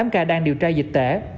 tám ca đang điều tra dịch tễ